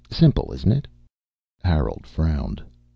Simple, isn't it?" Harold frowned.